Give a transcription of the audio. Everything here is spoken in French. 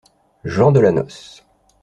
Gens de la noce.